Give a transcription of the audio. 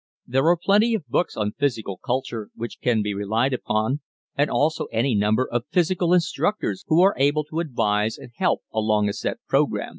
There are plenty of books on physical culture which can be relied upon and also any number of physical instructors who are able to advise and help along a set program.